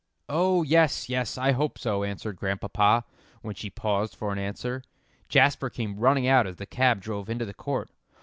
"Oh, yes, yes, I hope so," answered Grandpapa, when she paused for an answer. Jasper came running out as the cab drove into the court.